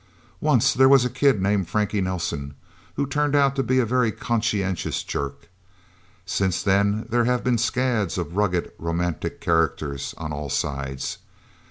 "Once there was a kid named Frankie Nelsen, who turned out to be a very conscientious jerk. Since then, there have been scads of rugged, romantic characters on all sides...